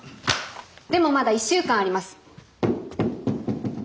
でもまだ１週間あります。